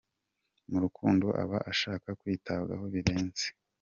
Mu rukundo aba ashaka kwitabwaho birenze.